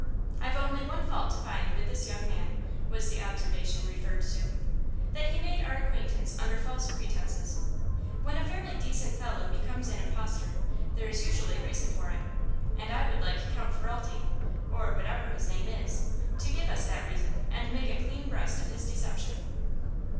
"I've only one fault to find with this young man," was the observation referred to: "that he made our acquaintance under false pretenses. When a fairly decent fellow becomes an impostor there is usually reason for it, and I would like Count Ferralti or whatever his name is to give us that reason and make a clean breast of his deception."